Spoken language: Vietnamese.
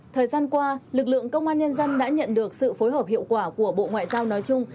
thời gian qua lực lượng công an nhân dân đã nhận được sự phối hợp hiệu quả của bộ ngoại giao nói chung